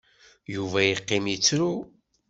Yuba iqqim ittru.